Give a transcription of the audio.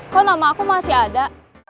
kok nama aku masih ada